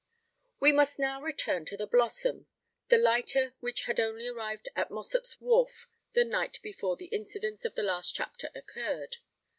We must now return to the Blossom—the lighter which had only arrived at Mossop's wharf the night before the incidents of the last chapter occurred.